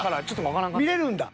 見れるんだ。